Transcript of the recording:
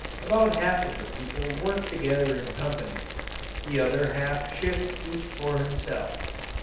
About half of the people work together in companies the other half shift each for himself.